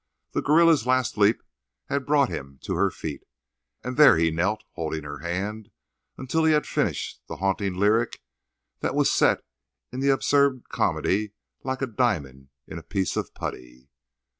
The gorilla's last leap had brought him to her feet, and there he knelt, holding her hand, until he had finished the haunting lyric that was set in the absurd comedy like a diamond in a piece of putty.